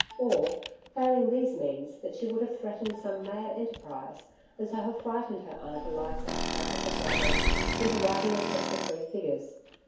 Or, failing these means, that she would have threatened some mad enterprise and so have frightened her aunt Eliza Countess of Gaverick into writing a cheque for three figures.